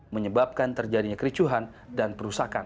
menyebabkan terjadinya kericuhan dan perusakan